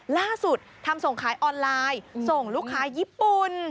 ล่าสุดทำส่งขายออนไลน์ส่งลูกค้าญี่ปุ่น